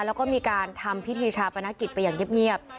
แล้วก็มีการทำพิธีชาปนกิจไปอย่างเงียบ